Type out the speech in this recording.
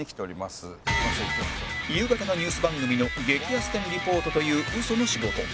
夕方のニュース番組の激安店リポートという嘘の仕事